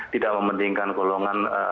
tidak mementingkan golongan